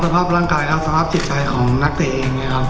สภาพร่างกายและสภาพจิตใจของนักเตะเองเนี่ยครับ